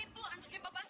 supaya dia kemampuan